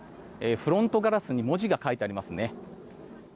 フロントガラスに文字が書いてありますね。